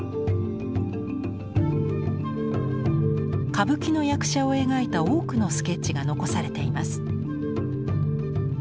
歌舞伎の役者を描いた多くのスケッチが残されています。